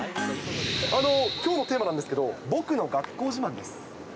きょうのテーマなんですけど、僕の学校自慢です。